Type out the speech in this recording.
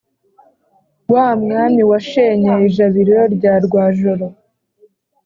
wa mwami washenye ijabiro rya rwajoro.